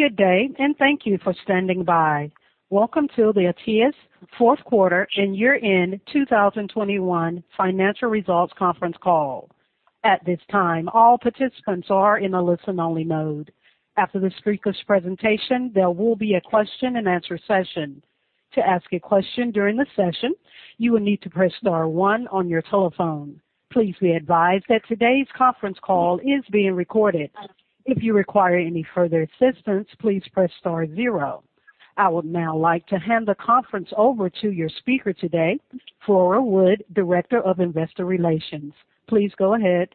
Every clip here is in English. Good day, and thank you for standing by. Welcome to the Altius fourth quarter and year-end 2021 financial results conference call. At this time, all participants are in a listen-only mode. After the speaker's presentation, there will be a question-and-answer session. To ask a question during the session, you will need to press star one on your telephone. Please be advised that today's conference call is being recorded. If you require any further assistance, please press star zero. I would now like to hand the conference over to your speaker today, Flora Wood, Director of Investor Relations. Please go ahead.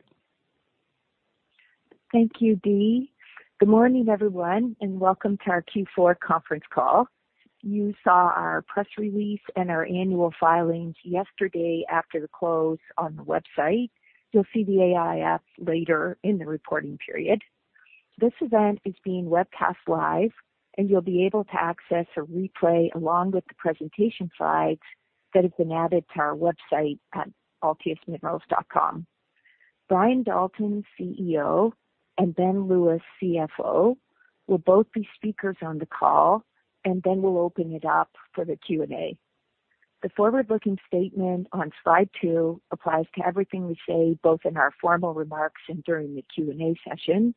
Thank you, Dee. Good morning, everyone, and welcome to our Q4 conference call. You saw our press release and our annual filings yesterday after the close on the website. You'll see the AIF later in the reporting period. This event is being webcast live, and you'll be able to access a replay along with the presentation slides that have been added to our website at altiusminerals.com. Brian Dalton, CEO, and Ben Lewis, CFO, will both be speakers on the call, and then we'll open it up for the Q&A. The forward-looking statement on slide two applies to everything we say, both in our formal remarks and during the Q&A session.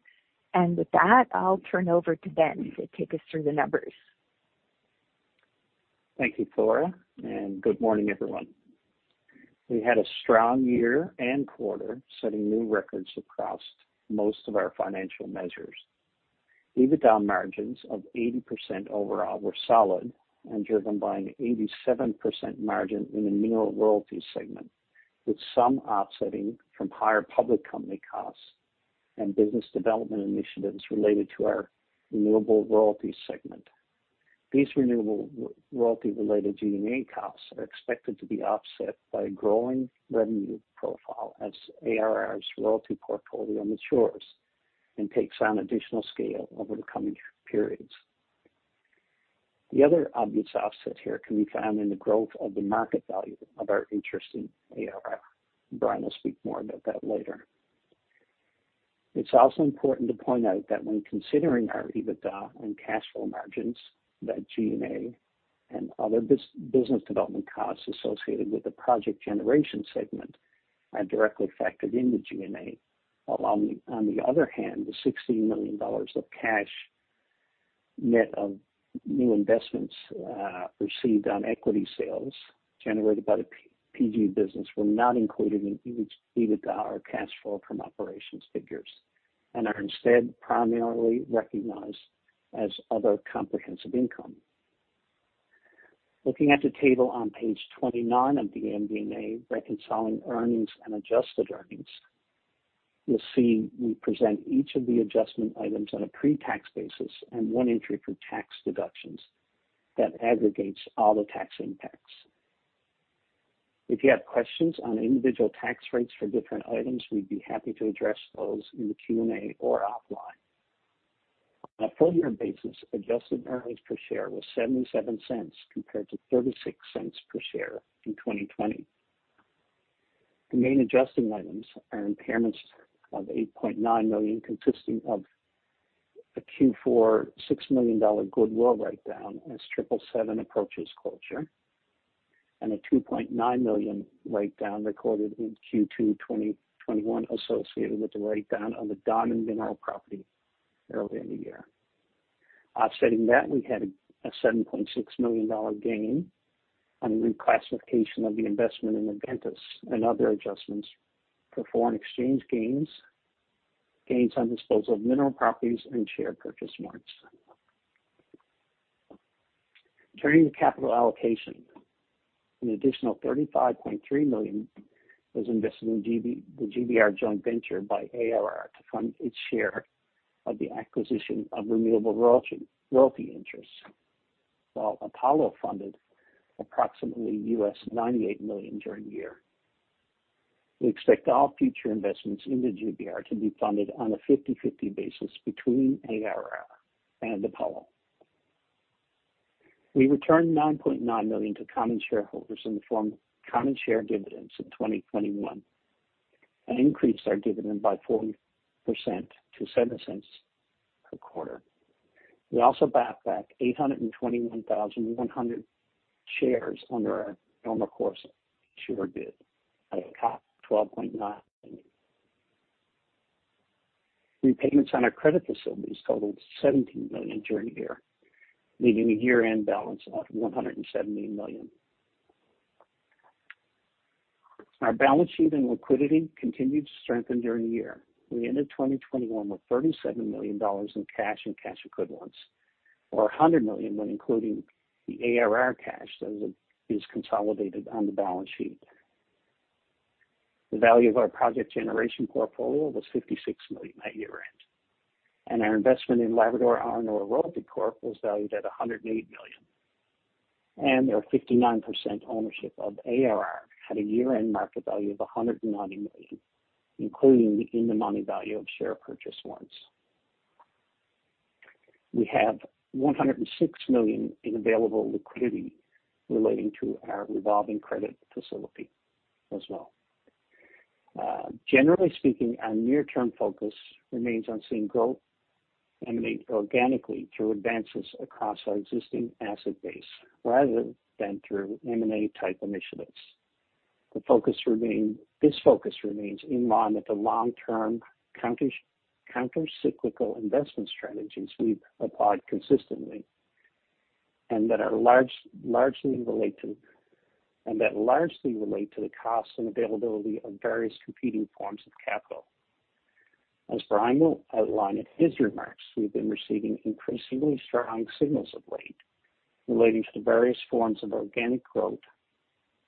With that, I'll turn over to Ben to take us through the numbers. Thank you, Flora, and good morning, everyone. We had a strong year and quarter, setting new records across most of our financial measures. EBITDA margins of 80% overall were solid and driven by an 87% margin in the mineral royalty segment, with some offsetting from higher public company costs and business development initiatives related to our renewable royalty segment. These renewable royalty-related G&A costs are expected to be offset by a growing revenue profile as ARR's royalty portfolio matures and takes on additional scale over the coming periods. The other obvious offset here can be found in the growth of the market value of our interest in ARR. Brian will speak more about that later. It's also important to point out that when considering our EBITDA and cash flow margins, that G&A and other business development costs associated with the project generation segment are directly factored into G&A. On the other hand, the 60 million dollars of cash net of new investments received on equity sales generated by the PG business were not included in EBITDA or cash flow from operations figures and are instead primarily recognized as other comprehensive income. Looking at the table on page 29 of the MD&A reconciling earnings and adjusted earnings, you'll see we present each of the adjustment items on a pre-tax basis and one entry for tax deductions that aggregates all the tax impacts. If you have questions on individual tax rates for different items, we'd be happy to address those in the Q&A or offline. On a full-year basis, adjusted earnings per share was 0.77 compared to 0.36 per share in 2020. The main adjusting items are impairments of 8.9 million, consisting of a Q4 6 million dollar goodwill write-down as 777 approaches closure and a 2.9 million write-down recorded in Q2 2021 associated with the write-down of the Don mineral property earlier in the year. Offsetting that, we had a 7.6 million dollar gain on the reclassification of the investment in Adventus Mining and other adjustments for foreign exchange gains on disposal of mineral properties and share purchase warrants. Turning to capital allocation, an additional 35.3 million was invested in the GBR joint venture by ARR to fund its share of the acquisition of renewable royalty interests. Apollo funded approximately $98 million during the year. We expect all future investments in the GBR to be funded on a 50/50 basis between ARR and Apollo. We returned 9.9 million to common shareholders in the form of common share dividends in 2021 and increased our dividend by 40% to 7 cents per quarter. We also bought back 821,100 shares under our normal course issuer bid at a cost of 12.9 million. Repayments on our credit facilities totaled 17 million during the year, leaving a year-end balance of 170 million. Our balance sheet and liquidity continued to strengthen during the year. We ended 2021 with 37 million dollars in cash and cash equivalents, or 100 million when including the ARR cash that is consolidated on the balance sheet. The value of our project generation portfolio was 56 million at year-end, and our investment in Labrador Iron Ore Royalty Corporation was valued at 108 million. Our 59% ownership of ARR had a year-end market value of 190 million, including the in-the-money value of share purchase warrants. We have 106 million in available liquidity relating to our revolving credit facility as well. Generally speaking, our near-term focus remains on seeing growth emanate organically through advances across our existing asset base rather than through M&A-type initiatives. This focus remains in line with the long-term counter-cyclical investment strategies we've applied consistently, and that largely relate to the cost and availability of various competing forms of capital. Brian will outline in his remarks, we've been receiving increasingly strong signals of late relating to the various forms of organic growth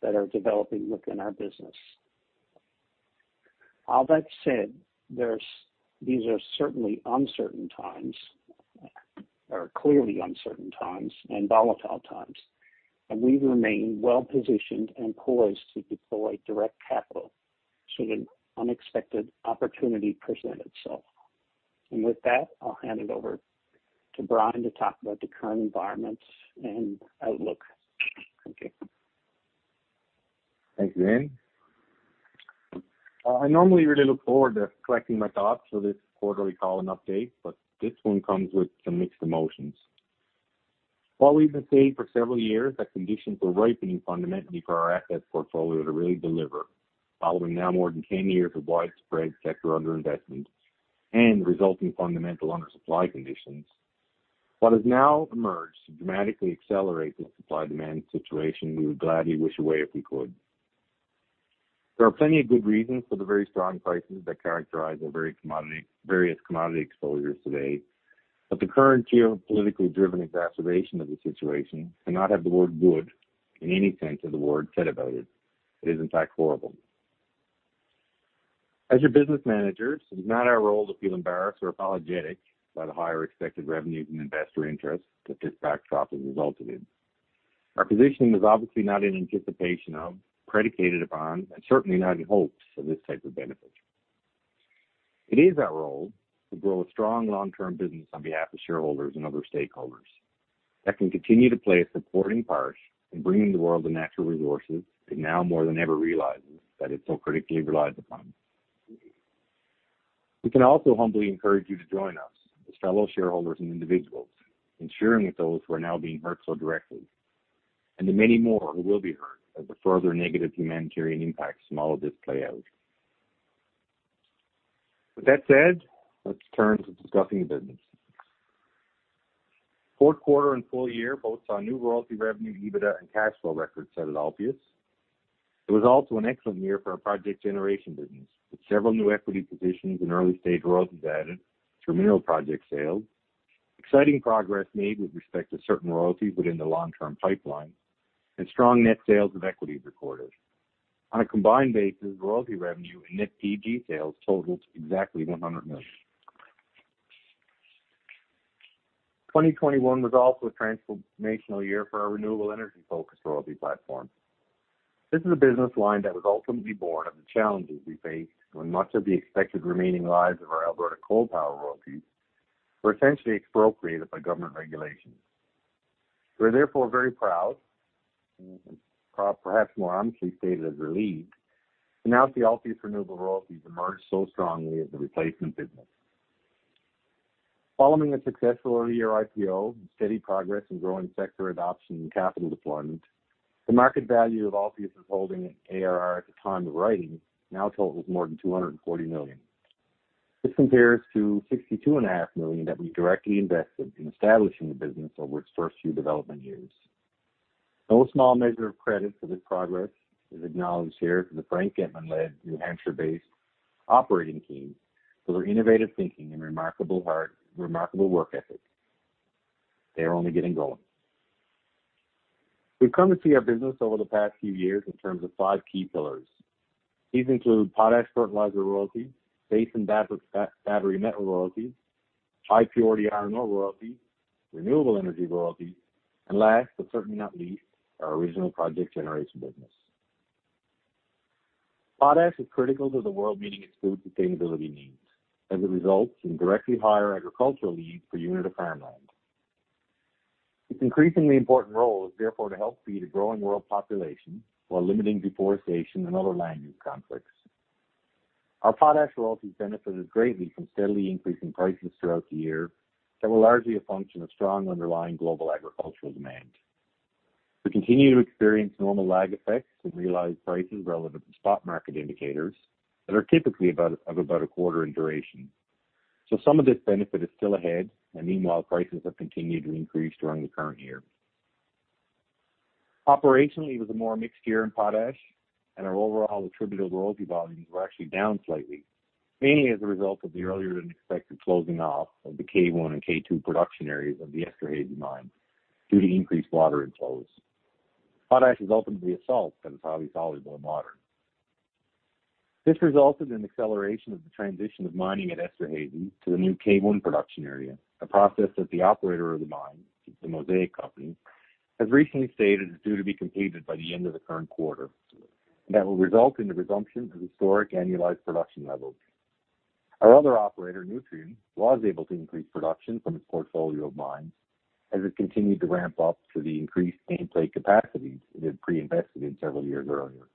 that are developing within our business. All that said, these are certainly uncertain times, or clearly uncertain times and volatile times, and we remain well positioned and poised to deploy direct capital should an unexpected opportunity present itself. With that, I'll hand it over to Brian to talk about the current environment and outlook. Thank you. Thanks, Ben. I normally really look forward to collecting my thoughts for this quarterly call and update, but this one comes with some mixed emotions. While we've been saying for several years that conditions were ripening fundamentally for our assets portfolio to really deliver following now more than 10 years of widespread sector under-investment and resulting fundamental under-supply conditions, what has now emerged to dramatically accelerate this supply demand situation, we would gladly wish away if we could. There are plenty of good reasons for the very strong prices that characterize our various commodity exposures today, but the current geopolitical driven exacerbation of the situation cannot have the word good in any sense of the word said about it. It is in fact horrible. As your business managers, it is not our role to feel embarrassed or apologetic about the higher expected revenues and investor interest that this backdrop has resulted in. Our positioning is obviously not in anticipation of, predicated upon, and certainly not in hopes of this type of benefit. It is our role to grow a strong long term business on behalf of shareholders and other stakeholders that can continue to play a supporting part in bringing the world the natural resources it now more than ever realizes that it so critically relies upon. We can also humbly encourage you to join us as fellow shareholders and individuals in sharing with those who are now being hurt so directly, and the many more who will be hurt as the further negative humanitarian impacts from all of this play out. With that said, let's turn to discussing the business. Fourth quarter and full year both saw new royalty revenue, EBITDA and cash flow records at Altius. It was also an excellent year for our project generation business, with several new equity positions and early-stage royalties added through mineral project sales, exciting progress made with respect to certain royalties within the long term pipeline, and strong net sales of equities recorded. On a combined basis, royalty revenue and net PG sales totaled exactly CAD 100 million. 2021 was also a transformational year for our renewable energy focused royalty platform. This is a business line that was ultimately born of the challenges we faced when much of the expected remaining lives of our Alberta coal power royalties were essentially expropriated by government regulations. We are therefore very proud, and perhaps more honestly stated, as relieved to announce the Altius Renewable Royalties emerged so strongly as a replacement business. Following a successful early year IPO and steady progress in growing sector adoption and capital deployment, the market value of Altius' holding ARR at the time of writing now totals more than 240 million. This compares to 62.5 million that we directly invested in establishing the business over its first few development years. No small measure of credit for this progress is acknowledged here to the Frank Getman-led New Hampshire-based operating team for their innovative thinking and remarkable heart, remarkable work ethic. They are only getting going. We've come to see our business over the past few years in terms of five key pillars. These include potash fertilizer royalties, base and battery metal royalties, high purity iron ore royalties, renewable energy royalties, and last but certainly not least, our original project generation business. Potash is critical to the world meeting its food sustainability needs as it results in directly higher agricultural yields per unit of farmland. Its increasingly important role is therefore to help feed a growing world population while limiting deforestation and other land use conflicts. Our potash royalties benefited greatly from steadily increasing prices throughout the year that were largely a function of strong underlying global agricultural demand. We continue to experience normal lag effects in realized prices relevant to spot market indicators that are typically of about a quarter in duration. So some of this benefit is still ahead. Meanwhile, prices have continued to increase during the current year. Operationally, it was a more mixed year in potash and our overall attributable royalty volumes were actually down slightly, mainly as a result of the earlier than expected closing off of the K-1 and K-2 production areas of the Esterhazy mine due to increased water inflows. Potash is ultimately a salt that is highly soluble in water. This resulted in acceleration of the transition of mining at Esterhazy to the new K-1 production area, a process that the operator of the mine, The Mosaic Company, has recently stated is due to be completed by the end of the current quarter. That will result in the resumption of historic annualized production levels. Our other operator, Nutrien, was able to increase production from its portfolio of mines as it continued to ramp up to the increased in-place capacities it had pre-invested in several years earlier.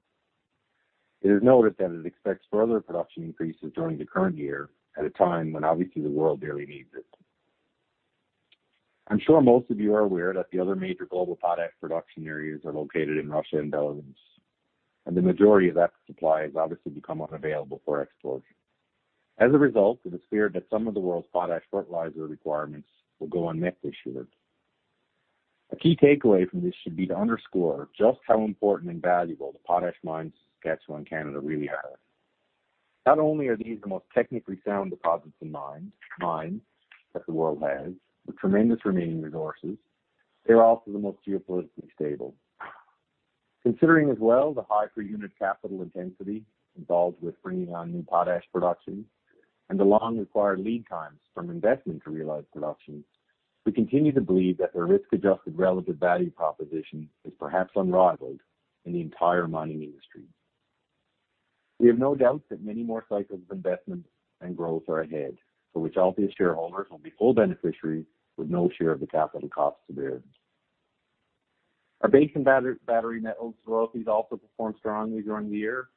It is noted that it expects further production increases during the current year at a time when obviously the world really needs it. I'm sure most of you are aware that the other major global potash production areas are located in Russia and Belarus, and the majority of that supply has obviously become unavailable for export. As a result, it is clear that some of the world's potash fertilizer requirements will go unmet this year. A key takeaway from this should be to underscore just how important and valuable the potash mines in Saskatchewan, Canada, really are. Not only are these the most technically sound deposits, in my mind, mines that the world has with tremendous remaining resources, they're also the most geopolitically stable. Considering as well the high per unit capital intensity involved with bringing on new potash production and the long required lead times from investment to realized production, we continue to believe that their risk-adjusted relative value proposition is perhaps unrivaled in the entire mining industry. We have no doubt that many more cycles of investment and growth are ahead, for which Altius shareholders will be full beneficiaries with no share of the capital costs to bear. Our base and battery metals royalties also performed strongly during the year,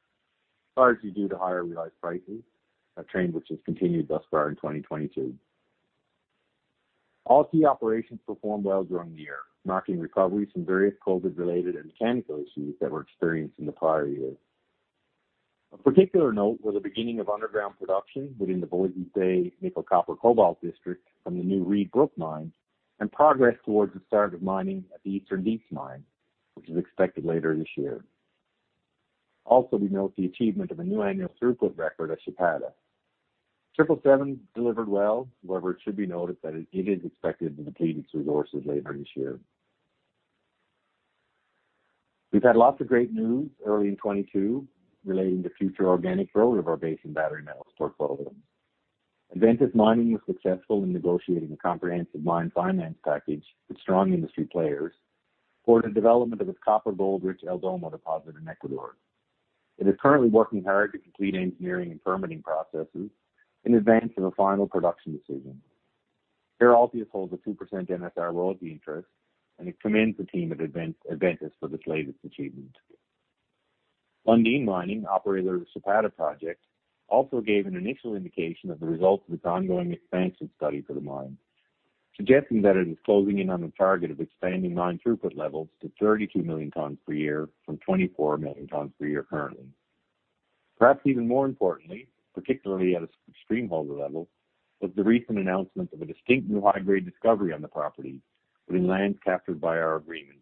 largely due to higher realized prices, a trend which has continued thus far in 2022. All key operations performed well during the year, marking recoveries from various COVID-related and mechanical issues that were experienced in the prior years. Of particular note was the beginning of underground production within the Voisey's Bay nickel-copper-cobalt district from the new Reid Brook mine, and progress towards the start of mining at the Eastern Deeps mine, which is expected later this year. Also, we note the achievement of a new annual throughput record at Sept-Îles. 777 delivered well. However, it should be noted that it is expected to deplete its resources later this year. We've had lots of great news early in 2022 relating to future organic growth of our base and battery metals portfolio. Adventus Mining was successful in negotiating a comprehensive mine finance package with strong industry players for the development of its copper-gold rich El Domo deposit in Ecuador. It is currently working hard to complete engineering and permitting processes in advance of a final production decision. Here, Altius holds a 2% NSR royalty interest, and it commends the team at Adventus Mining for this latest achievement. Lundin Mining, operator of the Chapada project, also gave an initial indication of the results of its ongoing expansion study for the mine, suggesting that it is closing in on a target of expanding mine throughput levels to 32 million tons per year from 24 million tons per year currently. Perhaps even more importantly, particularly at a stream holder level, was the recent announcement of a distinct and high-grade discovery on the property within lands captured by our agreement.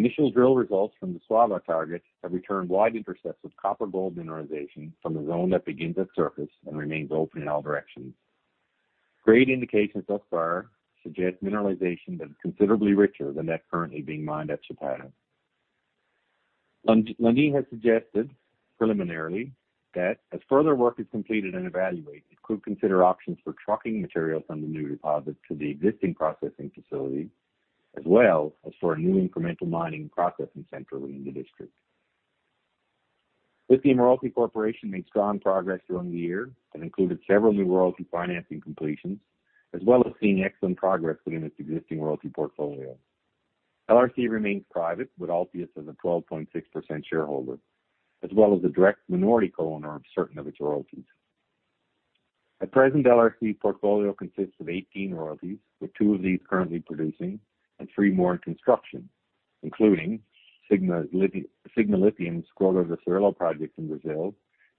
Initial drill results from the Saúva target have returned wide intercepts of copper-gold mineralization from a zone that begins at surface and remains open in all directions. Grade indications thus far suggest mineralization that is considerably richer than that currently being mined at Chapada. Lundin Mining has suggested preliminarily that as further work is completed and evaluated, it could consider options for trucking materials from the new deposit to the existing processing facility, as well as for a new incremental mining processing center within the district. Lithium Royalty Corporation made strong progress during the year that included several new royalty financing completions, as well as seeing excellent progress within its existing royalty portfolio. LRC remains private, with Altius as a 12.6% shareholder, as well as the direct minority co-owner of certain of its royalties. At present, LRC portfolio consists of 18 royalties, with two of these currently producing and three more in construction, including Sigma Lithium's Grota do Cirilo project in Brazil,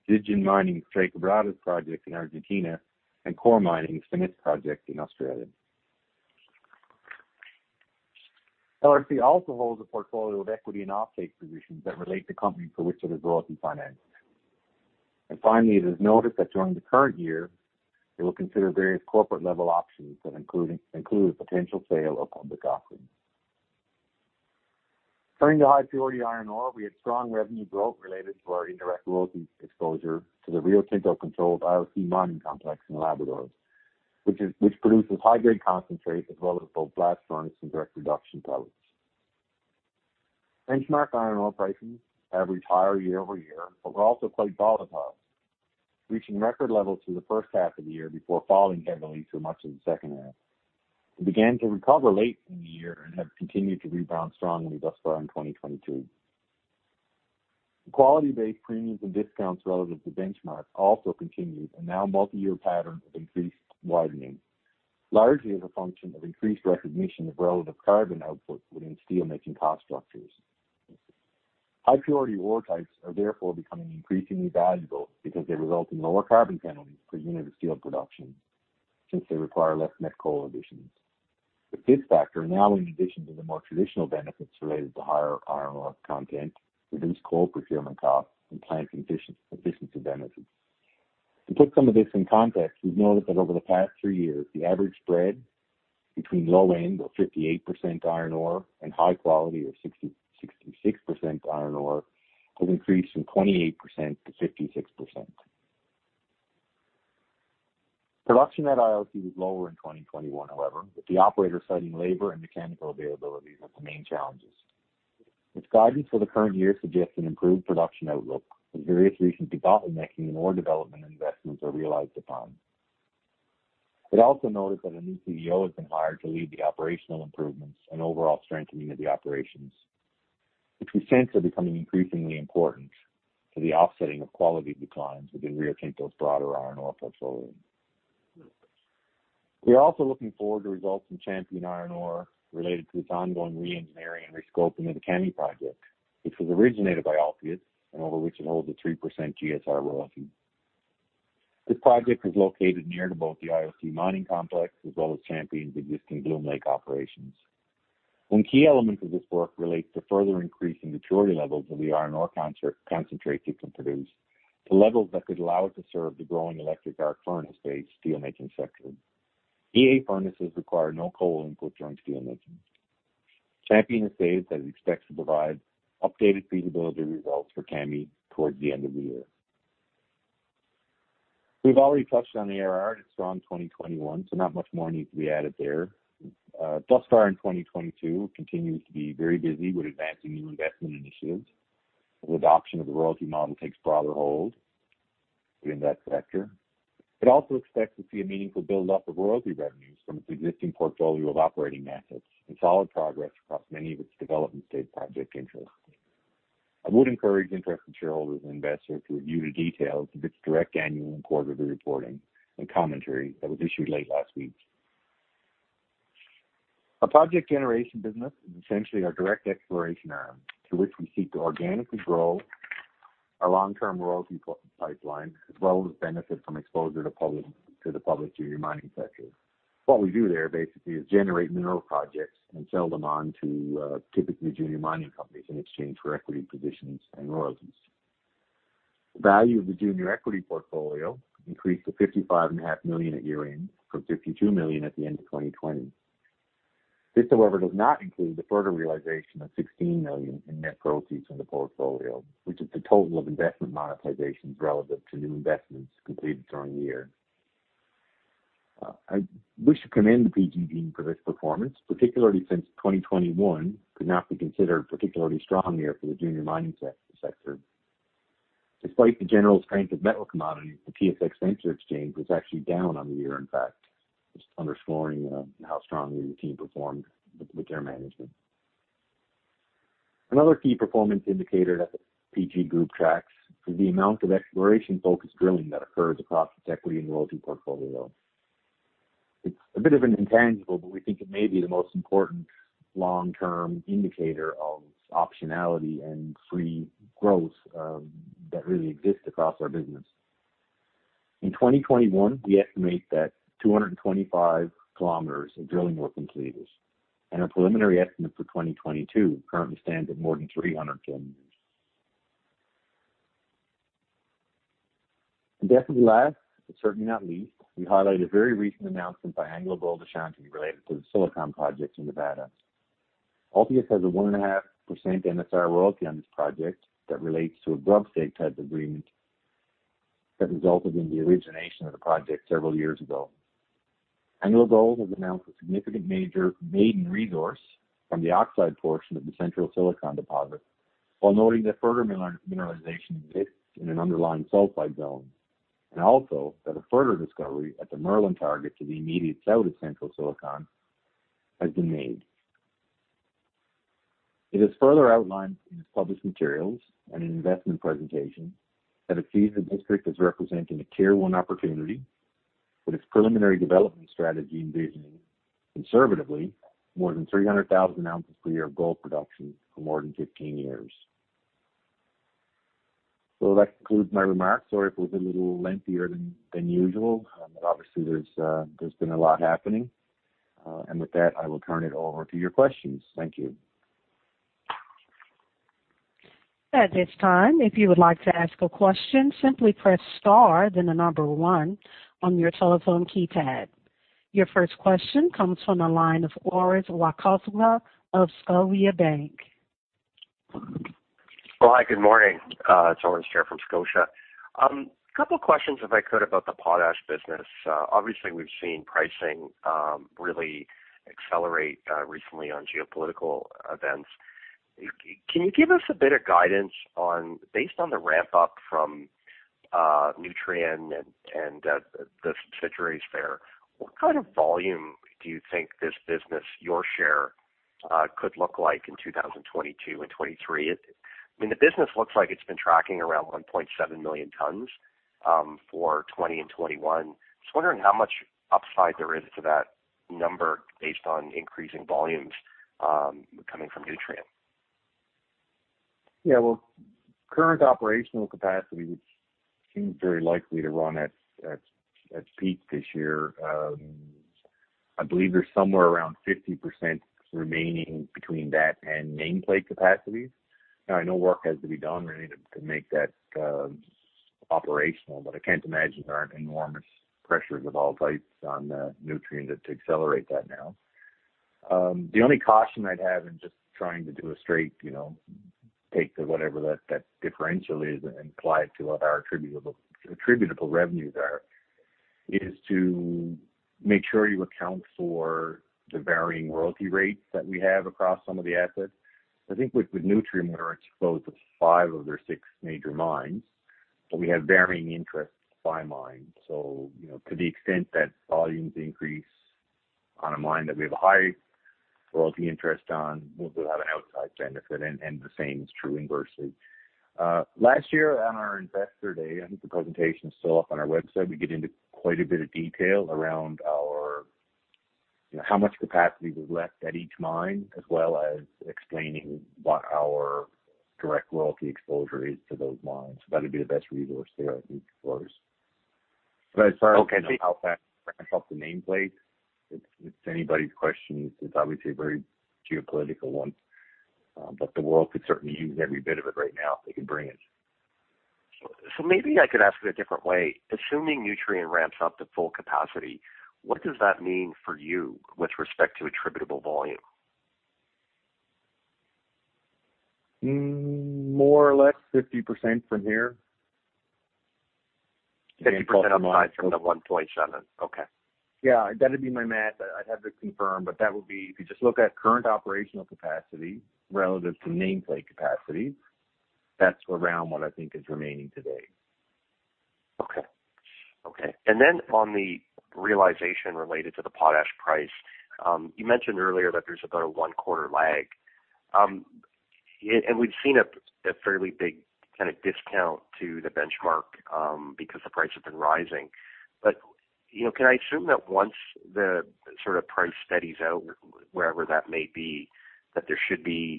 Zijin Mining's Tres Quebradas project in Argentina, and Core Lithium's Finniss project in Australia. LRC also holds a portfolio of equity and off-take positions that relate to companies for which it has royalty financed. Finally, it is noted that during the current year, it will consider various corporate level options that include a potential sale or public offering. Turning to high purity iron ore, we had strong revenue growth related to our indirect royalty exposure to the Rio Tinto-controlled IOC mining complex in Labrador, which produces high-grade concentrate as well as both blast furnace and direct reduction products. Benchmark iron ore pricing averaged higher year-over-year but were also quite volatile, reaching record levels through the first half of the year before falling heavily through much of the second half. It began to recover late in the year and have continued to rebound strongly thus far in 2022. The quality-based premiums and discounts relative to benchmark also continued a now multi-year pattern of increased widening, largely as a function of increased recognition of relative carbon outputs within steelmaking cost structures. High purity ore types are therefore becoming increasingly valuable because they result in lower carbon penalties per unit of steel production since they require less net coal additions. With this factor now in addition to the more traditional benefits related to higher iron ore content, reduced coal procurement costs, and plant efficiency benefits. To put some of this in context, we've noted that over the past three years, the average spread between low-end 58% iron ore and high-quality 66% iron ore has increased from 28% to 56%. Production at IOC was lower in 2021, however, with the operator citing labor and mechanical availabilities as the main challenges. Its guidance for the current year suggests an improved production outlook as various recent development making and ore development investments are realized upon. It also noted that a new CEO has been hired to lead the operational improvements and overall strengthening of the operations, which we sense are becoming increasingly important to the offsetting of quality declines within Rio Tinto's broader iron ore portfolio. We are also looking forward to results from Champion Iron related to its ongoing re-engineering and re-scoping of the Kami Project, which was originated by Altius and over which it holds a 3% GSR royalty. This project is located near to both the IOC mining complex as well as Champion's existing Bloom Lake operations. One key element of this work relates to further increasing maturity levels of the iron ore concentrate it can produce to levels that could allow it to serve the growing electric arc furnace-based steelmaking sector. EAF furnaces require no coal input during steelmaking. Champion has stated that it expects to provide updated feasibility results for Kami towards the end of the year. We've already touched on the ARR and its strong 2021, so not much more needs to be added there. ARR in 2022 continues to be very busy with advancing new investment initiatives as the adoption of the royalty model takes broader hold within that sector. It also expects to see a meaningful buildup of royalty revenues from its existing portfolio of operating assets and solid progress across many of its development-stage project interests. I would encourage interested shareholders and investors to review the details of its direct annual and quarterly reporting and commentary that was issued late last week. Our project generation business is essentially our direct exploration arm through which we seek to organically grow our long-term royalty pipeline, as well as benefit from exposure to the public junior mining sector. What we do there basically is generate mineral projects and sell them on to typically junior mining companies in exchange for equity positions and royalties. The value of the junior equity portfolio increased to 55.5 million at year-end from 52 million at the end of 2020. This, however, does not include the further realization of 16 million in net proceeds from the portfolio, which is the total of investment monetizations relative to new investments completed during the year. I wish to commend the PG team for this performance, particularly since 2021 could now be considered a particularly strong year for the junior mining sector. Despite the general strength of metal commodities, the TSX Venture Exchange was actually down on the year, in fact, just underscoring how strongly the team performed with their management. Another key performance indicator that the PG group tracks is the amount of exploration-focused drilling that occurs across its equity and royalty portfolio. It's a bit of an intangible, but we think it may be the most important long-term indicator of optionality and free growth that really exists across our business. In 2021, we estimate that 225 km of drilling were completed, and our preliminary estimate for 2022 currently stands at more than 300 km. Definitely last, but certainly not least, we highlight a very recent announcement by AngloGold Ashanti related to the Silicon projects in Nevada. Altius has a 1.5% NSR royalty on this project that relates to a grub stake type agreement that resulted in the origination of the project several years ago. AngloGold has announced a significant major maiden resource from the oxide portion of the Central Silicon deposit, while noting that further mineralization exists in an underlying sulfide zone, and also that a further discovery at the Merlin target to the immediate south of Central Silicon has been made. It has further outlined in its published materials and in investment presentations that it sees the district as representing a tier one opportunity with its preliminary development strategy envisioning conservatively more than 300,000 oz per year of gold production for more than 15 years. That concludes my remarks. Sorry if it was a little lengthier than usual, but obviously there's been a lot happening. With that, I will turn it over to your questions. Thank you. At this time, if you would like to ask a question, simply press star then the number one on your telephone keypad. Your first question comes from the line of Orest Wowkodaw of Scotiabank. Well, hi, good morning. It's Orest here from Scotia. A couple questions if I could about the potash business. Obviously, we've seen pricing really accelerate recently on geopolitical events. Can you give us a bit of guidance on, based on the ramp up from Nutrien and the subsidiaries there, what kind of volume do you think this business, your share, could look like in 2022 and 2023? I mean, the business looks like it's been tracking around 1.7 million tons for 2021. Just wondering how much upside there is to that number based on increasing volumes coming from Nutrien. Yeah. Well, current operational capacity, which seems very likely to run at peak this year, I believe there's somewhere around 50% remaining between that and nameplate capacities. Now, I know work has to be done really to make that operational, but I can't imagine there aren't enormous pressures of all types on Nutrien to accelerate that now. The only caution I'd have in just trying to do a straight, you know, take to whatever that differential is and apply it to what our attributable revenues are, is to make sure you account for the varying royalty rates that we have across some of the assets. I think with Nutrien, we are exposed to five of their six major mines, but we have varying interests by mine. You know, to the extent that volumes increase on a mine that we have a high royalty interest on, we'll have an outsized benefit and the same is true inversely. Last year on our investor day, I think the presentation is still up on our website, we get into quite a bit of detail around our, you know, how much capacity we've left at each mine, as well as explaining what our direct royalty exposure is to those mines. That'd be the best resource there I think for us. But as far as how fast they ramp up the nameplate, it's anybody's question. It's obviously a very geopolitical one. The world could certainly use every bit of it right now if they could bring it. Maybe I could ask it a different way. Assuming Nutrien ramps up to full capacity, what does that mean for you with respect to attributable volume? More or less 50% from here. 50% upside from the 1.7. Okay. Yeah. That'd be my math. I'd have to confirm, but that would be if you just look at current operational capacity relative to nameplate capacity, that's around what I think is remaining today. On the realization related to the potash price, you mentioned earlier that there's about a one quarter lag. We've seen a fairly big kind of discount to the benchmark because the price has been rising. You know, can I assume that once the sort of price steadies out, wherever that may be, that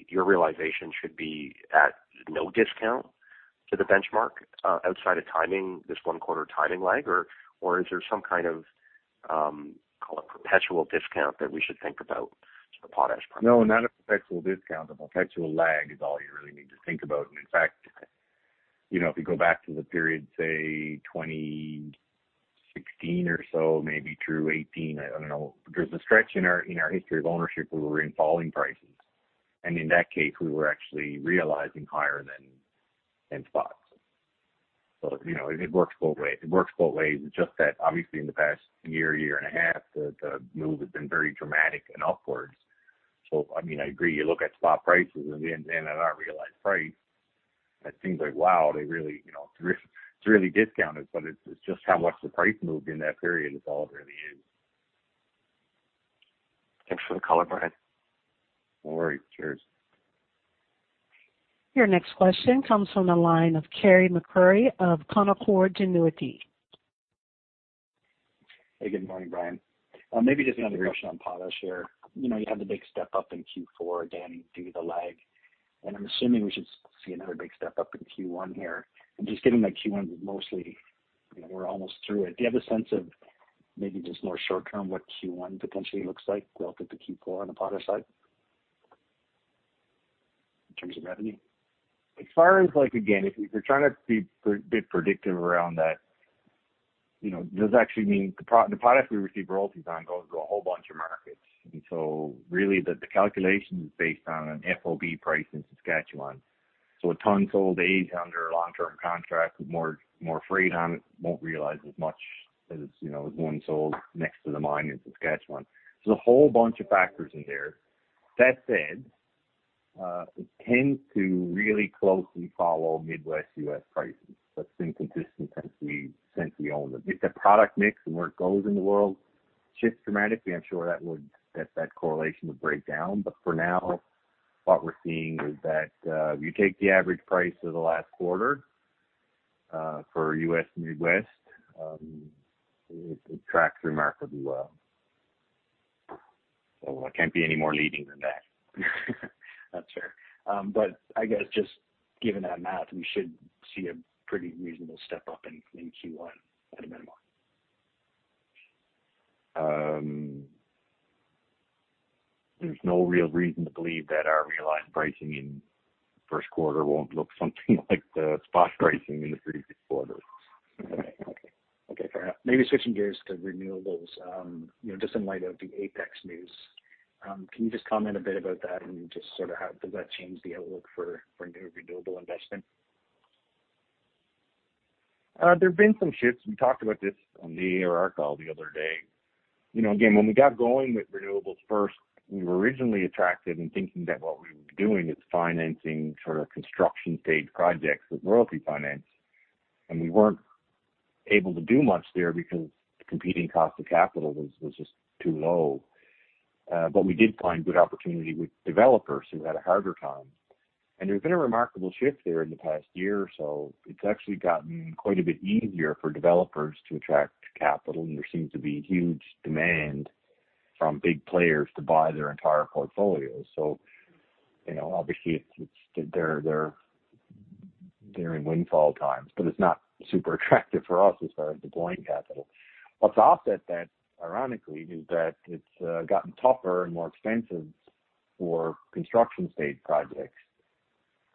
your realization should be at no discount to the benchmark, outside of timing, this one quarter timing lag? Is there some kind of call it perpetual discount that we should think about for the potash price? No, not a perpetual discount. A perpetual lag is all you really need to think about. In fact, you know, if you go back to the period, say, 2016 or so, maybe through 2018, I don't know. There's a stretch in our history of ownership where we were in falling prices. In that case, we were actually realizing higher than spots. You know, it works both ways. It works both ways. It's just that obviously in the past year and a half, the move has been very dramatic and upwards. I mean, I agree. You look at spot prices and then at our realized price, it seems like, wow, they really, you know, it's really discounted, but it's just how much the price moved in that period is all it really is. Thanks for the color, Brian. No worries. Cheers. Your next question comes from the line of Carey MacRury of Canaccord Genuity. Hey, good morning, Brian. Maybe just another question on potash here. You know, you had the big step up in Q4 again due to the lag, and I'm assuming we should see another big step up in Q1 here. Just given that Q1 mostly, you know, we're almost through it, do you have a sense of maybe just more short term what Q1 potentially looks like relative to Q4 on the potash side? In terms of revenue. As far as like, again, if you're trying to be predictive around that, you know, it does actually mean the products we receive royalties on goes to a whole bunch of markets. Really the calculation is based on an FOB price in Saskatchewan. A ton sold age under a long-term contract with more freight on it won't realize as much as, you know, as one sold next to the mine in Saskatchewan. There's a whole bunch of factors in there. That said, it tends to really closely follow Midwest U.S. prices. That's been consistent since we owned them. If the product mix and where it goes in the world shifts dramatically, I'm sure that correlation would break down. For now, what we're seeing is that, if you take the average price of the last quarter, for U.S. Midwest, it tracks remarkably well. Well, I can't be any more leading than that. That's fair. I guess just given that math, we should see a pretty reasonable step up in Q1 at a minimum. There's no real reason to believe that our realized pricing in first quarter won't look something like the spot pricing in the previous quarters. Okay. Fair enough. Maybe switching gears to renewables, you know, just in light of the Apex news, can you just comment a bit about that and just sort of how does that change the outlook for new renewable investment? There have been some shifts. We talked about this on the ARR call the other day. You know, again, when we got going with renewables first, we were originally attracted in thinking that what we were doing is financing sort of construction stage projects with royalty finance. We weren't able to do much there because the competing cost of capital was just too low. We did find good opportunity with developers who had a harder time. There's been a remarkable shift there in the past year or so. It's actually gotten quite a bit easier for developers to attract capital, and there seems to be huge demand from big players to buy their entire portfolio. You know, obviously, it's—they're in windfall times, but it's not super attractive for us as far as deploying capital. What's offset that, ironically, is that it's gotten tougher and more expensive for construction stage projects.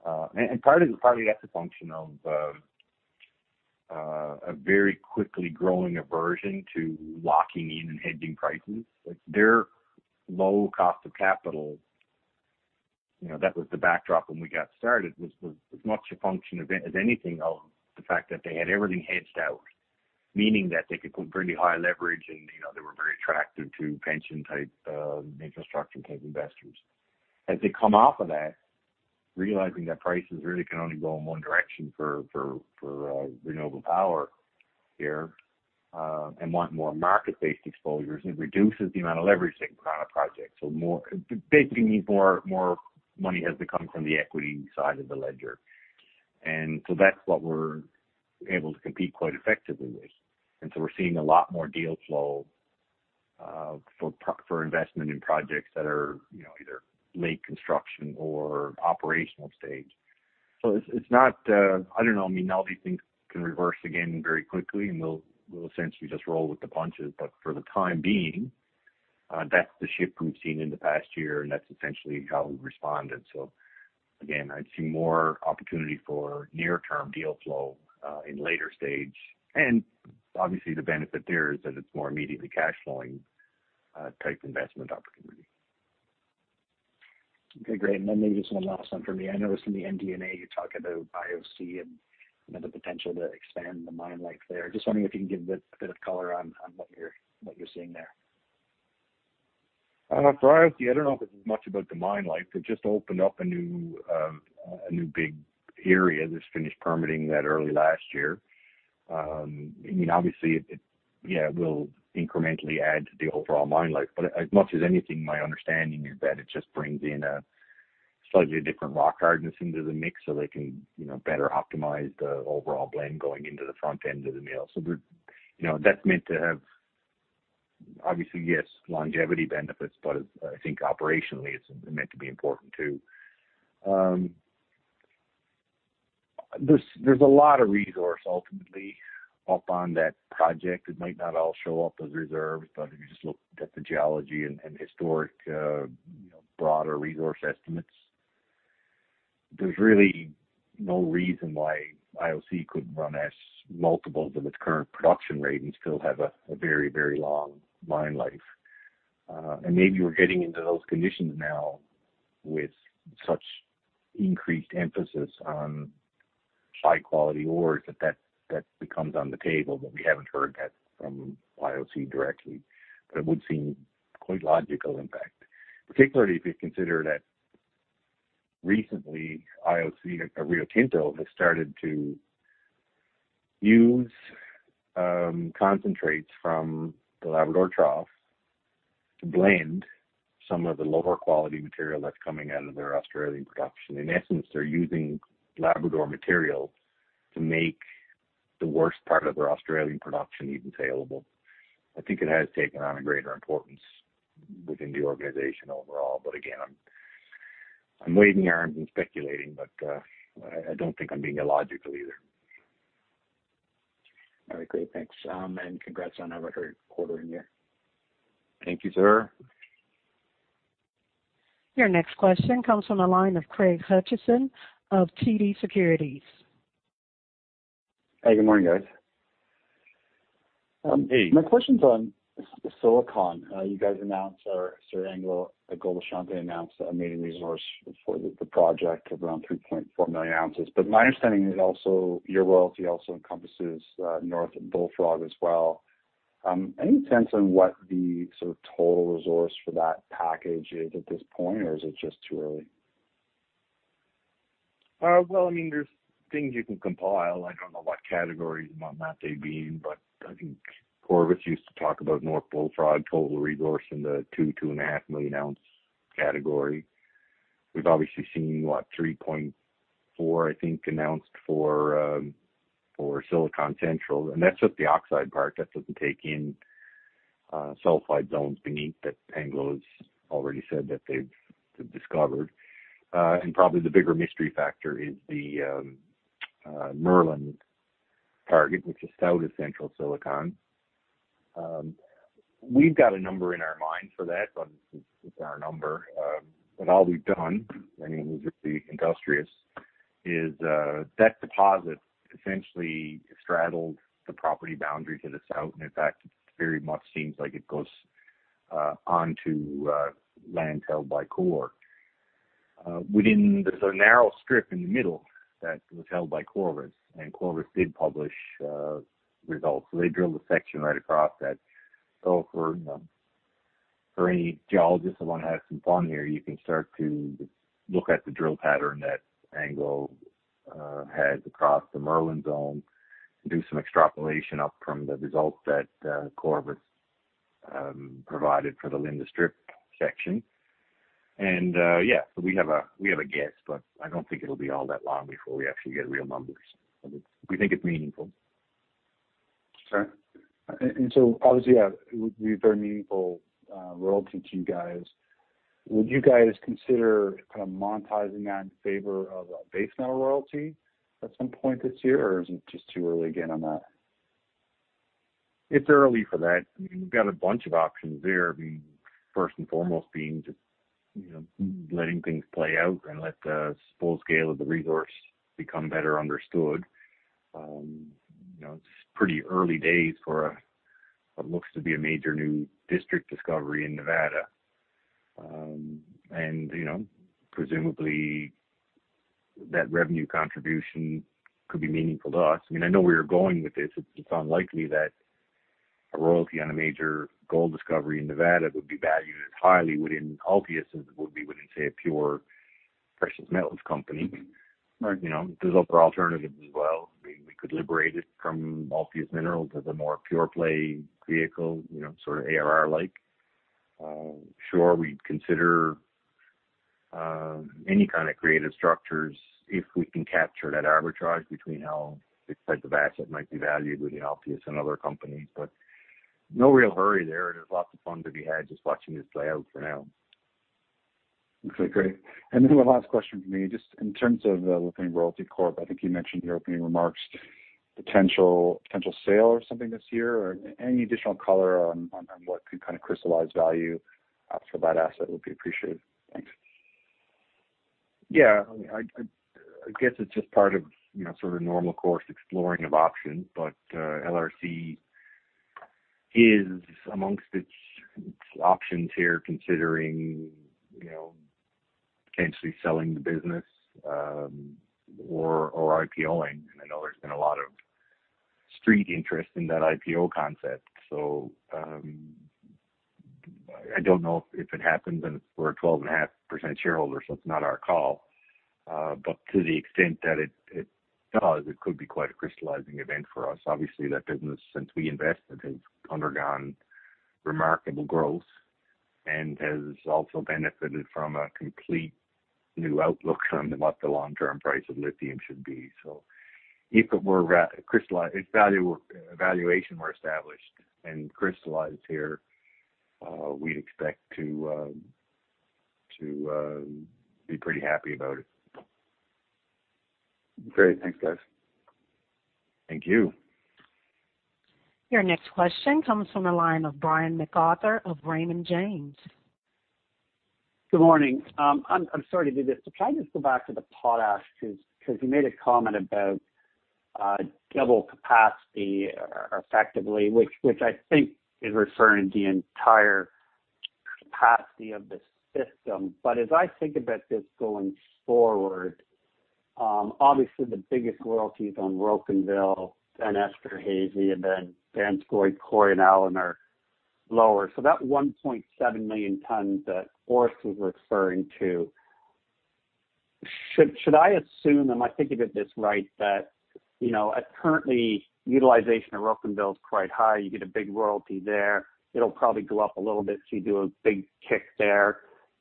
Part of it, part of that's a function of a very quickly growing aversion to locking in and hedging prices. Like, their low cost of capital, you know, that was the backdrop when we got started, was as much a function of, as anything, of the fact that they had everything hedged out, meaning that they could put pretty high leverage and, you know, they were very attractive to pension-type, infrastructure-type investors. As they come off of that, realizing that prices really can only go in one direction for renewable power here, and want more market-based exposures, it reduces the amount of leverage they can put on a project. More Basically mean more money has to come from the equity side of the ledger. That's what we're able to compete quite effectively with. We're seeing a lot more deal flow for investment in projects that are, you know, either late construction or operational stage. It's not. I don't know, I mean, all these things can reverse again very quickly, and we'll essentially just roll with the punches. For the time being, that's the shift we've seen in the past year, and that's essentially how we've responded. Again, I'd see more opportunity for near-term deal flow in later stage. Obviously the benefit there is that it's more immediately cash flowing type investment opportunity. Okay, great. Maybe just one last one for me. I noticed in the MD&A, you talk about IOC and, you know, the potential to expand the mine life there. Just wondering if you can give a bit of color on what you're seeing there. For IOC, I don't know if it's much about the mine life. It just opened up a new big area. Just finished permitting that early last year. I mean, obviously it will incrementally add to the overall mine life. But as much as anything, my understanding is that it just brings in a slightly different rock hardness into the mix, so they can, you know, better optimize the overall blend going into the front end of the mill. So there. You know, that's meant to have obviously, yes, longevity benefits, but I think operationally it's meant to be important too. There's a lot of resource ultimately up on that project. It might not all show up as reserves, but if you just look at the geology and historic, you know, broader resource estimates, there's really no reason why IOC couldn't run at multiples of its current production rate and still have a very, very long mine life. Maybe we're getting into those conditions now with such increased emphasis on high quality ores that that becomes on the table, but we haven't heard that from IOC directly. It would seem quite logical, in fact, particularly if you consider that recently IOC, Rio Tinto has started to use concentrates from the Labrador Trough to blend some of the lower quality material that's coming out of their Australian production. In essence, they're using Labrador material to make the worst part of their Australian production even saleable. I think it has taken on a greater importance within the organization overall, but again, I'm waving arms and speculating, but I don't think I'm being illogical either. All right, great. Thanks, and congrats on a record quarter and year. Thank you, sir. Your next question comes from the line of Craig Hutchison of TD Securities. Hey, good morning, guys. Hey. My question's on Silicon. You guys announced or AngloGold Ashanti announced a maiden resource for the project of around 3.4 million oz. My understanding is also your royalty also encompasses North Bullfrog as well. Any sense on what the sort of total resource for that package is at this point, or is it just too early? I mean, there's things you can compile. I don't know what categories and what not they'd be in, but I think Corvus used to talk about North Bullfrog total resource in the 2-2.5 million ounce category. We've obviously seen 3.4, I think, announced for Silicon Central. That's just the oxide part. That doesn't take in sulfide zones beneath that Anglo's already said that they've discovered. Probably the bigger mystery factor is the Merlin target, which is south of Central Silicon. We've got a number in our mind for that, but it's our number. All we've done, anyone who's really industrious, is that deposit essentially straddled the property boundary to the south, and in fact, it very much seems like it goes onto land held by Core. Within, there's a narrow strip in the middle that was held by Corvus, and Corvus did publish results. They drilled a section right across that. For you know, for any geologist that wanna have some fun here, you can start to look at the drill pattern that Anglo has across the Merlin zone and do some extrapolation up from the results that Corvus provided for the Lynnda Strip section. We have a guess, but I don't think it'll be all that long before we actually get real numbers. We think it's meaningful. Sure. Obviously, it would be a very meaningful royalty to you guys. Would you guys consider kind of monetizing that in favor of a base metal royalty at some point this year, or is it just too early again on that? It's early for that. We've got a bunch of options there. I mean, first and foremost being just, you know, letting things play out and let the full scale of the resource become better understood. You know, it's pretty early days for a, what looks to be a major new district discovery in Nevada. You know, presumably that revenue contribution could be meaningful to us. I mean, I know where you're going with this. It's unlikely that a royalty on a major gold discovery in Nevada would be valued as highly within Altius as it would be within, say, a pure precious metals company. Right. You know, there's other alternatives as well. We could liberate it from Altius Minerals as a more pure play vehicle, you know, sort of ARR-like. Sure, we'd consider any kind of creative structures if we can capture that arbitrage between how this type of asset might be valued within Altius and other companies. No real hurry there. There's lots of fun to be had just watching this play out for now. Okay, great. One last question from me. Just in terms of Lithium Royalty Corp, I think you mentioned in your opening remarks potential sale or something this year, or any additional color on what could kind of crystallize value for that asset would be appreciated. Thanks. Yeah. I guess it's just part of, you know, sort of normal course exploring of options. LRC is, amongst its options here, considering potentially selling the business or IPO-ing. I know there's been a lot of Street interest in that IPO concept. I don't know if it happens, and we're a 12.5% shareholder, so it's not our call. To the extent that it does, it could be quite a crystallizing event for us. Obviously, that business, since we invested, has undergone remarkable growth and has also benefited from a complete new outlook on what the long-term price of lithium should be. If a valuation were established and crystallized here, we'd expect to be pretty happy about it. Great. Thanks, guys. Thank you. Your next question comes from the line of Brian MacArthur of Raymond James. Good morning. I'm sorry to do this, but can I just go back to the potash because you made a comment about double capacity effectively, which I think is referring to the entire capacity of the system. As I think about this going forward, obviously the biggest royalty is on Rocanville, then Esterhazy, and then Vanscoy, Cory, and Allan are lower. That 1.7 million tons that Orest was referring to, should I assume, am I thinking of this right, that, you know, at currently utilization of Rocanville is quite high, you get a big royalty there, it'll probably go up a little bit so you do a big kick there.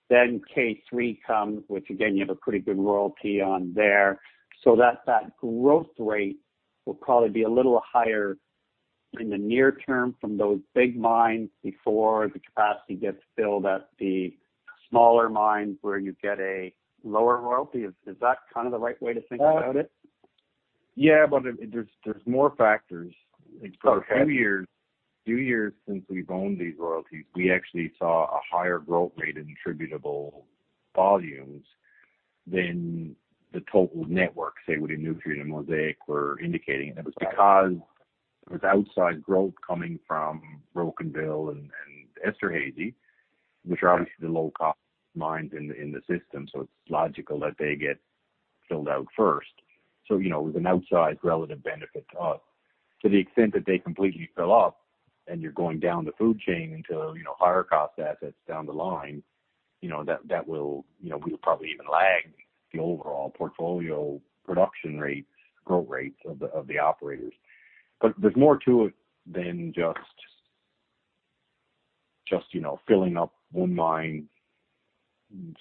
Then K-3 comes, which again, you have a pretty good royalty on there. That growth rate will probably be a little higher in the near term from those big mines before the capacity gets filled at the smaller mines where you get a lower royalty. Is that kind of the right way to think about it? Yeah, but there's more factors. Okay. For a few years since we've owned these royalties, we actually saw a higher growth rate in attributable volumes than the total network, say, within Nutrien and Mosaic were indicating. It was because there was outsized growth coming from Rocanville and Esterhazy, which are obviously the low cost mines in the system, so it's logical that they get filled out first. You know, it was an outsized relative benefit to us. To the extent that they completely fill up and you're going down the food chain to, you know, higher cost assets down the line, you know, that will, you know, we would probably even lag the overall portfolio production rates, growth rates of the operators. There's more to it than just, you know, filling up one mine's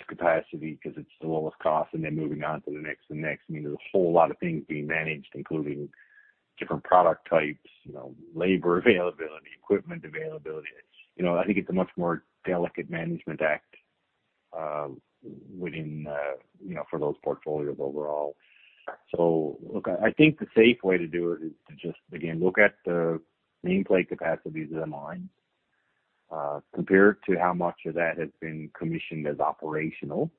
capacity because it's the lowest cost, and then moving on to the next and the next. I mean, there's a whole lot of things being managed, including different product types, you know, labor availability, equipment availability. You know, I think it's a much more delicate management act within, you know, for those portfolios overall. So look, I think the safe way to do it is to just, again, look at the nameplate capacities of the mines, compare it to how much of that has been commissioned as operational.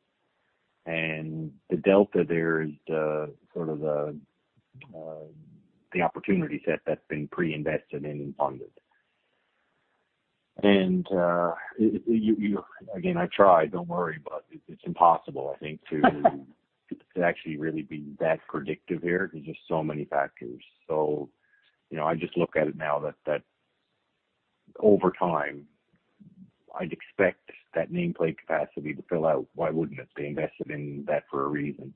And the delta there is the, sort of the opportunity set that's been pre-invested and funded. Again, I try, don't worry, but it's impossible, I think, to actually really be that predictive here. There's just so many factors. You know, I just look at it now that over time, I'd expect that nameplate capacity to fill out. Why wouldn't it? They invested in that for a reason.